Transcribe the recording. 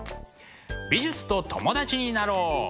美術と友達になろう！